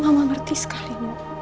mama ngerti sekali